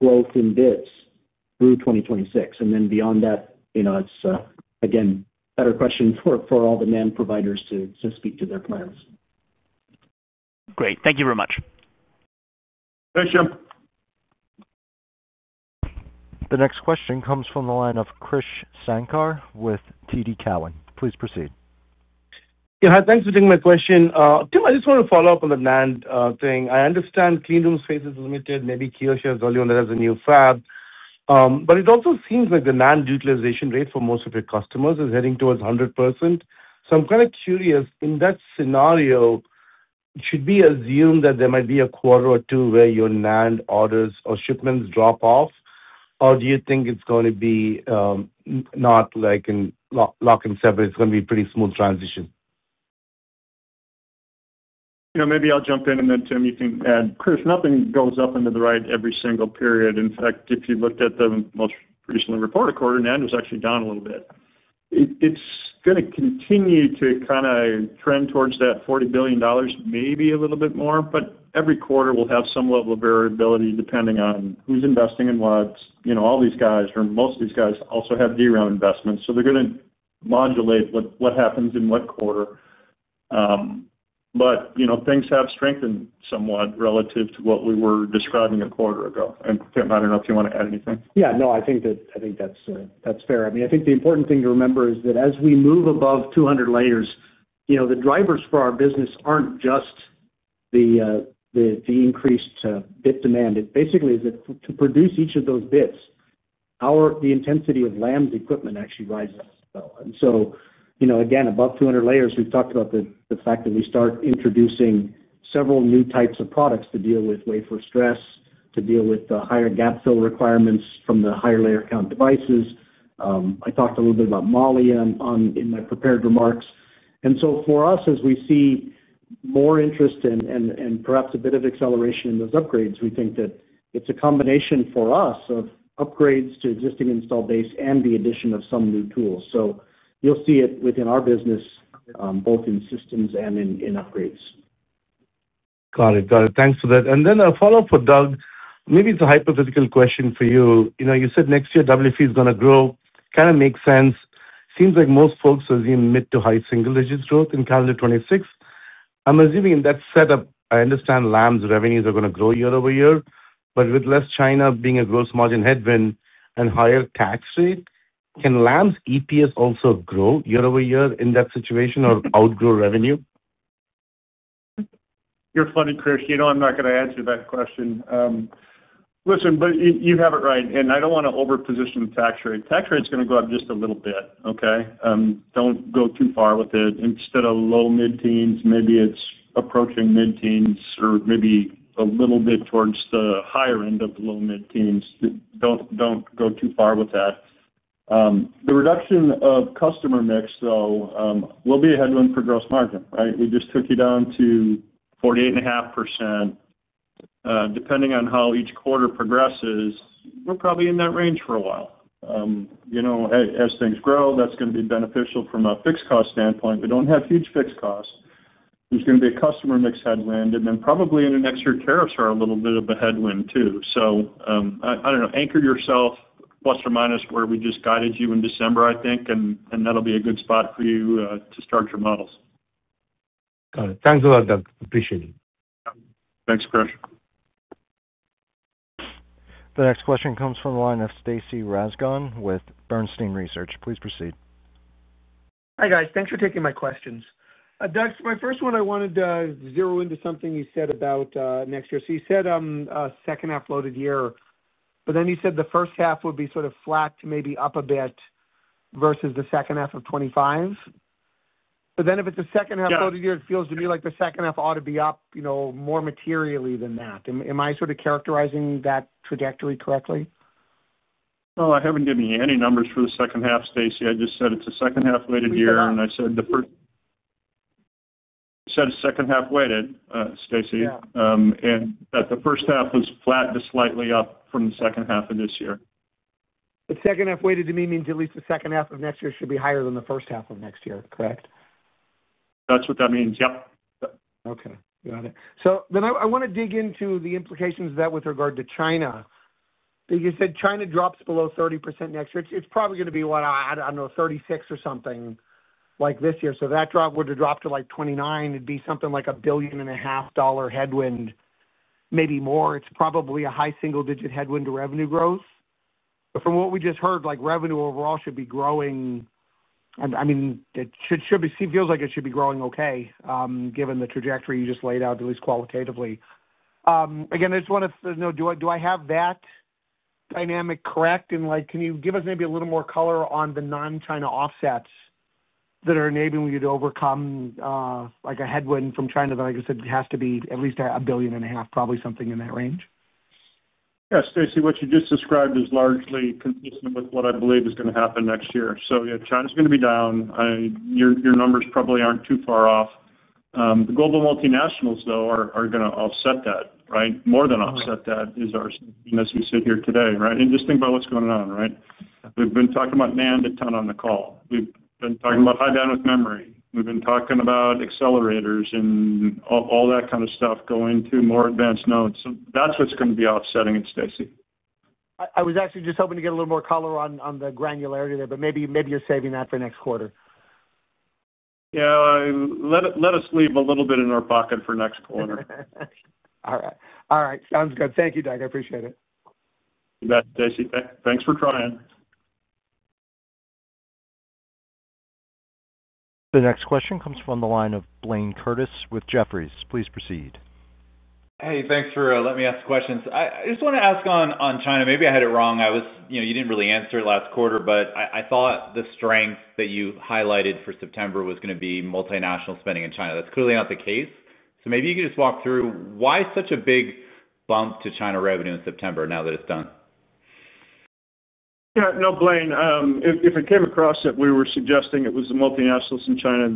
Speaker 3: growth in bits through 2026. Beyond that, you know, it's, again, a better question for all the NAND providers to speak to their plans.
Speaker 9: Great. Thank you very much.
Speaker 3: Thanks, Jim.
Speaker 1: The next question comes from the line of Krish Sankar with TD Cowen. Please proceed.
Speaker 10: Yeah, hi, thanks for taking my question. Tim, I just want to follow up on the NAND thing. I understand clean room space is limited. Maybe Kyoshi has earlier on that as a new fab, but it also seems like the NAND utilization rate for most of your customers is heading towards 100%. I'm kind of curious, in that scenario, should we assume that there might be a quarter or two where your NAND orders or shipments drop off, or do you think it's going to be not like in lock and step, but it's going to be a pretty smooth transition?
Speaker 4: Yeah, maybe I'll jump in and then, Tim, you can add. Krish, nothing goes up and to the right every single period. In fact, if you looked at the most recently reported quarter, NAND was actually down a little bit. It's going to continue to kind of trend towards that $40 billion, maybe a little bit more, but every quarter will have some level of variability depending on who's investing and what. You know, all these guys, or most of these guys, also have DRAM investments. They're going to modulate what happens in what quarter. Things have strengthened somewhat relative to what we were describing a quarter ago. Tim, I don't know if you want to add anything.
Speaker 3: Yeah, no, I think that's fair. I mean, I think the important thing to remember is that as we move above 200 layers, you know, the drivers for our business aren't just the increased bit demand. It basically is that to produce each of those bits, the intensity of Lam's equipment actually rises as well. Again, above 200 layers, we've talked about the fact that we start introducing several new types of products to deal with wafer stress, to deal with the higher gap fill requirements from the higher layer count devices. I talked a little bit about MOLE in my prepared remarks. For us, as we see more interest and perhaps a bit of acceleration in those upgrades, we think that it's a combination for us of upgrades to existing install base and the addition of some new tools. You'll see it within our business, both in systems and in upgrades.
Speaker 10: Got it. Thanks for that. A follow-up for Doug. Maybe it's a hypothetical question for you. You said next year WFE is going to grow. Kind of makes sense. Seems like most folks assume mid to high single-digits growth in calendar 2026. I'm assuming in that setup, I understand Lam's revenues are going to grow year-over-year. With less China being a gross margin headwind and higher tax rate, can Lam's EPS also grow year-over-year in that situation or outgrow revenue?
Speaker 4: You're funny, Krish. You know, I'm not going to answer that question. Listen, but you have it right. I don't want to overposition the tax rate. The tax rate is going to go up just a little bit, okay? Don't go too far with it. Instead of low mid-teens, maybe it's approaching mid-teens or maybe a little bit towards the higher end of the low mid-teens. Don't go too far with that. The reduction of customer mix, though, will be a headwind for gross margin, right? We just took you down to 48.5%. Depending on how each quarter progresses, we're probably in that range for a while. As things grow, that's going to be beneficial from a fixed cost standpoint. We don't have huge fixed costs. There's going to be a customer mix headwind. Probably in the next year, tariffs are a little bit of a headwind too. I don't know, anchor yourself ± where we just guided you in December, I think. That'll be a good spot for you to start your models.
Speaker 10: Got it. Thanks a lot, Doug. Appreciate it.
Speaker 4: Thanks, Krish.
Speaker 1: The next question comes from the line of Stacy Rasgon with Bernstein Research. Please proceed.
Speaker 11: Hi guys, thanks for taking my questions. Doug, for my first one, I wanted to zero into something you said about next year. You said a second half loaded year, but then you said the first half would be sort of flat to maybe up a bit versus the second half of 2025. If it's a second half loaded year, it feels to me like the second half ought to be up more materially than that. Am I sort of characterizing that trajectory correctly?
Speaker 4: Oh. I haven't given you any numbers for the second half, Stacy. I just said it's a second half weighted year. I said second half weighted, Stacy, and that the first half was flat to slightly up from the second half of this year.
Speaker 11: The second half weighted to me means at least the second half of next year should be higher than the first half of next year, correct?
Speaker 4: That's what that means, yep.
Speaker 11: Okay, got it. I want to dig into the implications of that with regard to China. You said China drops below 30% next year. It's probably going to be, what, I don't know, 36% or something like this year. That drop would drop to like 29%. It'd be something like a $1.5 billion headwind, maybe more. It's probably a high single-digit headwind to revenue growth. From what we just heard, revenue overall should be growing. I mean, it feels like it should be growing okay, given the trajectory you just laid out, at least qualitatively. Again, I just want to know, do I have that dynamic correct? Can you give us maybe a little more color on the non-China offsets that are enabling you to overcome a headwind from China? Like I said, it has to be at least $1.5 billion, probably something in that range.
Speaker 4: Yeah, Stacy, what you just described is largely consistent with what I believe is going to happen next year. Yeah, China is going to be down. Your numbers probably aren't too far off. The global multinationals, though, are going to offset that, right? More than offset that is our assumption as we sit here today, right? Just think about what's going on, right? We've been talking about NAND a ton on the call. We've been talking about high-bandwidth memory. We've been talking about accelerators and all that kind of stuff going to more advanced nodes. That's what's going to be offsetting it, Stacy.
Speaker 11: I was actually just hoping to get a little more color on the granularity there, but maybe you're saving that for next quarter.
Speaker 4: Yeah, let us leave a little bit in our pocket for next quarter.
Speaker 11: All right. Sounds good. Thank you, Doug. I appreciate it.
Speaker 4: Thanks, Stacy. Thanks for trying.
Speaker 1: The next question comes from the line of Blayne Curtis with Jefferies. Please proceed.
Speaker 12: Hey, thanks for letting me ask the questions. I just want to ask on China. Maybe I had it wrong. You didn't really answer it last quarter, but I thought the strength that you highlighted for September was going to be multinational spending in China. That's clearly not the case. Maybe you could just walk through why such a big bump to China revenue in September now that it's done?
Speaker 4: Yeah, no, Blayne, if it came across that we were suggesting it was the multinationals in China,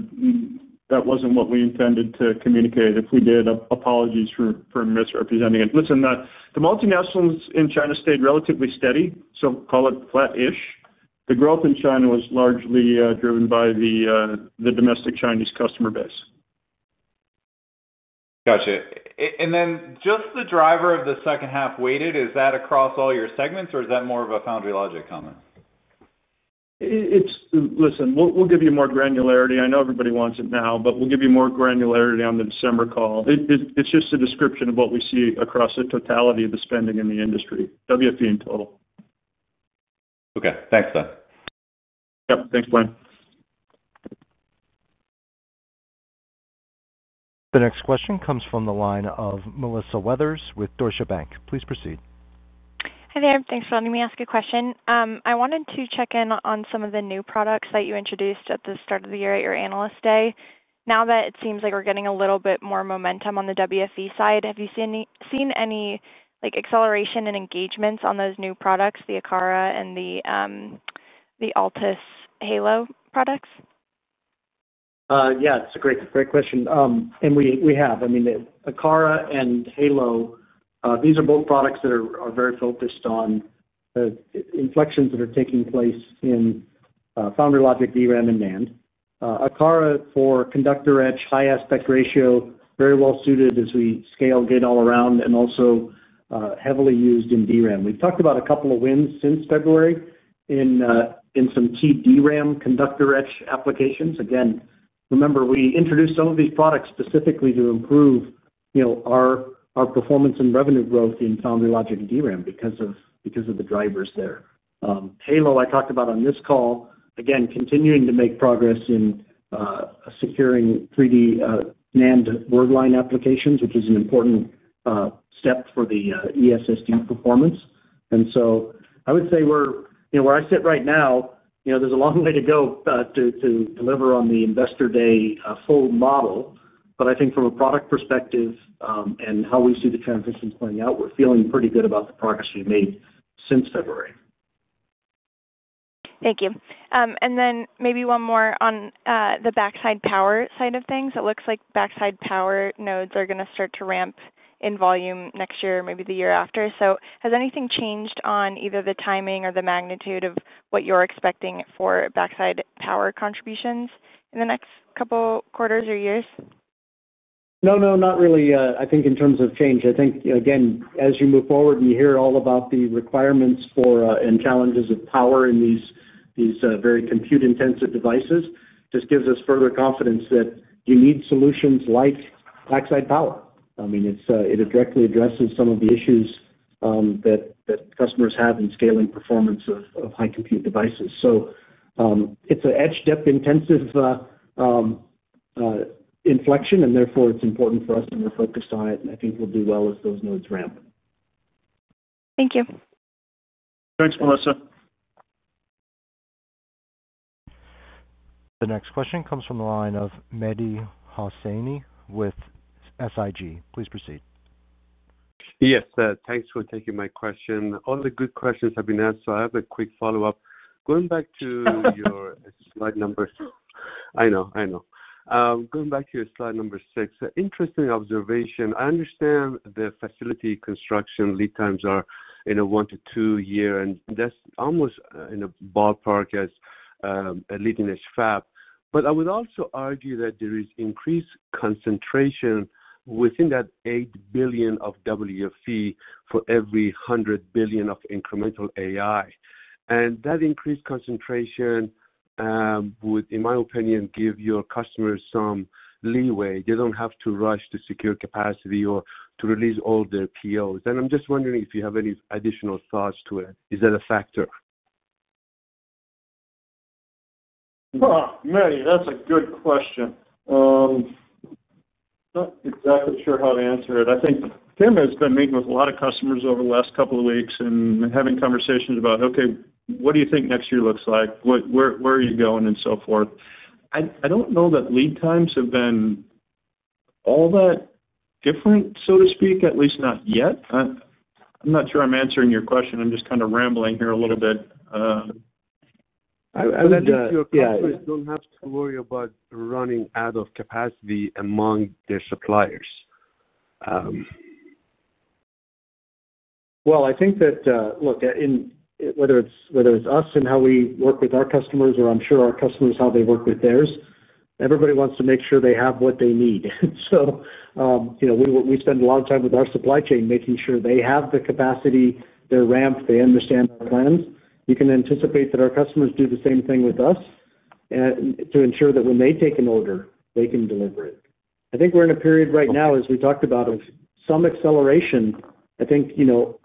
Speaker 4: that wasn't what we intended to communicate. If we did, apologies for misrepresenting it. Listen, the multinationals in China stayed relatively steady, so call it flat-ish. The growth in China was largely driven by the domestic Chinese customer base.
Speaker 12: Gotcha. Is the driver of the second half weighted, is that across all your segments, or is that more of a foundry logic comment?
Speaker 4: We'll give you more granularity. I know everybody wants it now, but we'll give you more granularity on the December call. It's just a description of what we see across the totality of the spending in the industry, WFE in total.
Speaker 12: Okay, thanks.
Speaker 4: Yep, thanks, Blayne.
Speaker 1: The next question comes from the line of Melissa Weathers with Deutsche Bank. Please proceed.
Speaker 13: Hi there. Thanks for letting me ask a question. I wanted to check in on some of the new products that you introduced at the start of the year at your analyst day. Now that it seems like we're getting a little bit more momentum on the WFE side, have you seen any like acceleration in engagements on those new products, the Akara and the ALTUS Halo products?
Speaker 3: Yeah, that's a great question. We have. I mean, the Akara and Halo, these are both products that are very focused on the inflections that are taking place in foundry, logic, DRAM, and NAND. Akara for conductor edge, high aspect ratio, very well suited as we scale in all around and also heavily used in DRAM. We've talked about a couple of wins since February in some DRAM conductor edge applications. Again, remember, we introduced some of these products specifically to improve, you know, our performance and revenue growth in foundry, logic, DRAM because of the drivers there. Halo, I talked about on this call, again, continuing to make progress in securing 3D NAND word line applications, which is an important step for the ESSD performance. I would say we're, you know, where I sit right now, you know, there's a long way to go to deliver on the investor day full model. I think from a product perspective and how we see the transitions playing out, we're feeling pretty good about the progress we've made since February.
Speaker 13: Thank you. Maybe one more on the backside power side of things. It looks like backside power nodes are going to start to ramp in volume next year or maybe the year after. Has anything changed on either the timing or the magnitude of what you're expecting for backside power contributions in the next couple of quarters or years?
Speaker 3: I think in terms of change, as you move forward and you hear all about the requirements and challenges of power in these very compute-intensive devices, it just gives us further confidence that you need solutions like backside power. It directly addresses some of the issues that customers have in scaling performance of high compute devices. It is an etch-depth intensive inflection, and therefore it's important for us to be focused on it. I think we'll do well as those nodes ramp.
Speaker 13: Thank you.
Speaker 4: Thanks, Melissa.
Speaker 1: The next question comes from the line of Mehdi Hosseini with SIG. Please proceed.
Speaker 14: Yes, thanks for taking my question. All the good questions have been asked, so I have a quick follow-up. Going back to your slide number six, interesting observation. I understand the facility construction lead times are in a one to two year, and that's almost in a ballpark as a leading edge fab. I would also argue that there is increased concentration within that $8 billion of WFE for every $100 billion of incremental AI. That increased concentration would, in my opinion, give your customers some leeway. They don't have to rush to secure capacity or to release all their POs. I'm just wondering if you have any additional thoughts to it. Is that a factor?
Speaker 4: Mehdi, that's a good question. I'm not exactly sure how to answer it. I think Tim has been meeting with a lot of customers over the last couple of weeks and having conversations about, okay, what do you think next year looks like? Where are you going and so forth? I don't know that lead times have been all that different, so to speak, at least not yet. I'm not sure I'm answering your question. I'm just kind of rambling here a little bit.
Speaker 14: I would think your customers don't have to worry about running out of capacity among their suppliers.
Speaker 3: I think that, look, in whether it's us and how we work with our customers, or I'm sure our customers, how they work with theirs, everybody wants to make sure they have what they need. We spend a lot of time with our supply chain making sure they have the capacity, they're ramped, they understand our plans. You can anticipate that our customers do the same thing with us to ensure that when they take an order, they can deliver it. I think we're in a period right now, as we talked about, of some acceleration. I think, you know,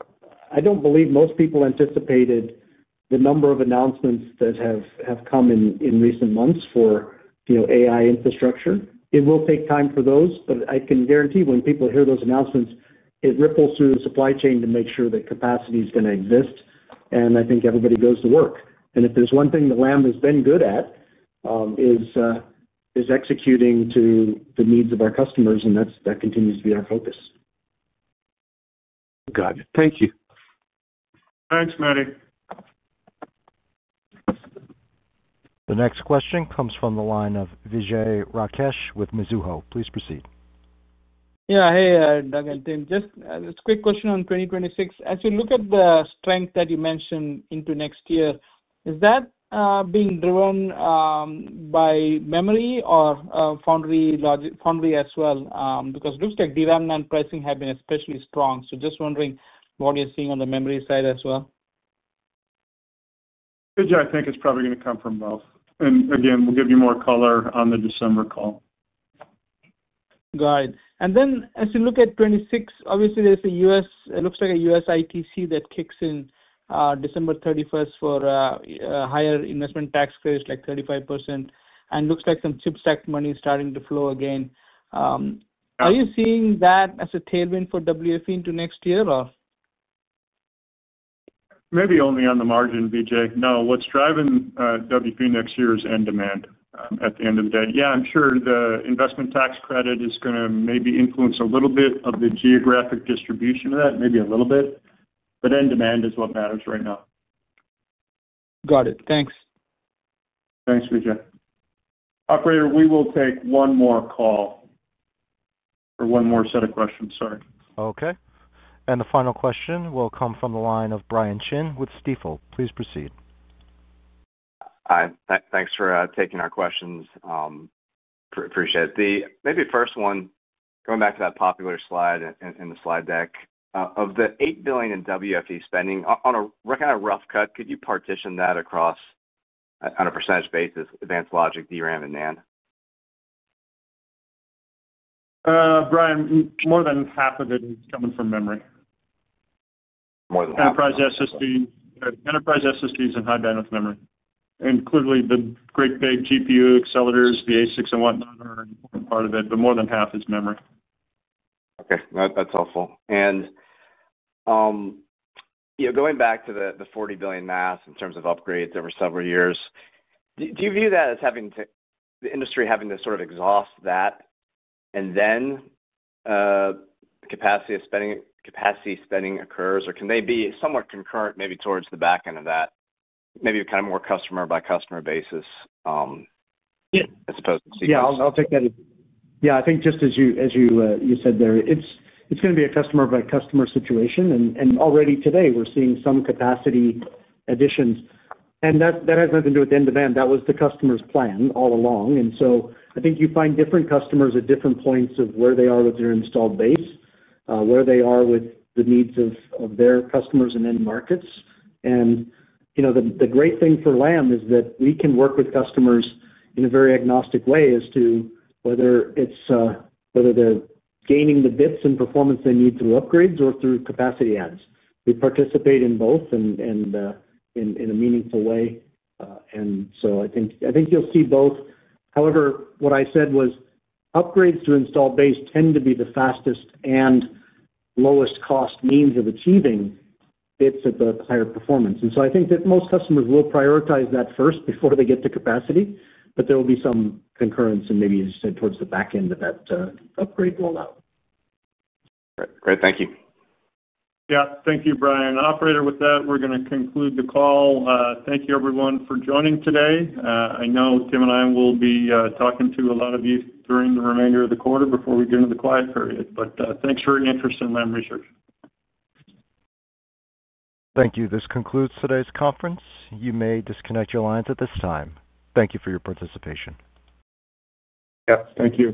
Speaker 3: I don't believe most people anticipated the number of announcements that have come in recent months for, you know, AI infrastructure. It will take time for those, but I can guarantee when people hear those announcements, it ripples through the supply chain to make sure that capacity is going to exist. I think everybody goes to work. If there's one thing that Lam Research has been good at, it is executing to the needs of our customers, and that continues to be our focus.
Speaker 14: Got it. Thank you.
Speaker 4: Thanks, Mehdi.
Speaker 1: The next question comes from the line of Vijay Rakesh with Mizuho. Please proceed.
Speaker 15: Yeah, hey, Doug and Tim. Just a quick question on 2026. As you look at the strength that you mentioned into next year, is that being driven by memory or foundry as well? It looks like DRAM and pricing have been especially strong. Just wondering what you're seeing on the memory side as well.
Speaker 4: Vijay, I think it's probably going to come from both. We'll give you more color on the December call.
Speaker 15: Got it. As you look at 2026, obviously there's a U.S. ITC that kicks in December 31 for a higher investment tax credit, like 35%. It looks like some CHIPS Act money is starting to flow again. Are you seeing that as a tailwind for WFE into next year or?
Speaker 4: Maybe only on the margin, Vijay. No, what's driving WFE next year is end demand at the end of the day. Yeah, I'm sure the investment tax credit is going to maybe influence a little bit of the geographic distribution of that, maybe a little bit. End demand is what matters right now.
Speaker 15: Got it. Thanks.
Speaker 4: Thanks, Vijay. Operator, we will take one more call or one more set of questions, sorry.
Speaker 1: Okay. The final question will come from the line of Brian Chin with Stifel. Please proceed.
Speaker 16: Hi, thanks for taking our questions. Appreciate it. Maybe the first one, going back to that popular slide in the slide deck, of the $8 billion in WFE spending, on a kind of rough cut, could you partition that across on a percentage basis? Advanced logic, DRAM, and NAND.
Speaker 4: Brian, more than half of it is coming from memory.
Speaker 16: More than half.
Speaker 4: Enterprise SSDs and high-bandwidth memory. Clearly, the great big GPU accelerators, the ASICs and whatnot are an important part of it, but more than half is memory.
Speaker 16: Okay, that's helpful. Going back to the $40 billion mass in terms of upgrades over several years, do you view that as having to the industry having to sort of exhaust that and then capacity spending occurs, or can they be somewhat concurrent maybe towards the back end of that, maybe kind of more customer by customer basis as opposed to CPU?
Speaker 3: Yeah, I'll take that. I think just as you said there, it's going to be a customer by customer situation. Already today, we're seeing some capacity additions, and that has nothing to do with end demand. That was the customer's plan all along. I think you find different customers at different points of where they are with their installed base, where they are with the needs of their customers and end markets. The great thing for Lam is that we can work with customers in a very agnostic way as to whether they're gaining the bits and performance they need through upgrades or through capacity adds. We participate in both in a meaningful way. I think you'll see both. However, what I said was upgrades to installed base tend to be the fastest and lowest cost means of achieving bits at the higher performance. I think that most customers will prioritize that first before they get to capacity. There will be some concurrence and maybe, as you said, towards the back end of that upgrade rollout.
Speaker 16: That's right. Great, thank you.
Speaker 4: Yeah, thank you, Brian. Operator, with that, we're going to conclude the call. Thank you, everyone, for joining today. I know Tim and I will be talking to a lot of you during the remainder of the quarter before we get into the quiet period. Thanks for your interest in Lam Research.
Speaker 1: Thank you. This concludes today's conference. You may disconnect your lines at this time. Thank you for your participation.
Speaker 3: Thank you.